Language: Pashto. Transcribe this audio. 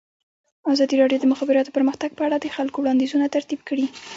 ازادي راډیو د د مخابراتو پرمختګ په اړه د خلکو وړاندیزونه ترتیب کړي.